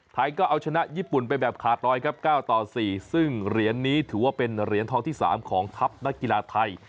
ก็เอาชนะญี่ปุ่นไปแบบขาดรอยครับ๙ต่อ๔ซึ่งเหรียญนี้ถือว่าเป็นเหรียญทองที่๓ของทัพนักกีฬาไทย